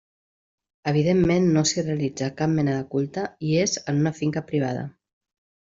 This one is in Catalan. Evidentment no s'hi realitza cap mena de culte i és en una finca privada.